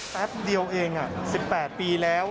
แป๊บเดียวเอง๑๘ปีแล้ว